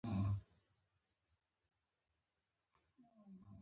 واورئ برخه کې هیڅ پرمختګ نشته .